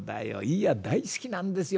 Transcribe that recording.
いや大好きなんですよ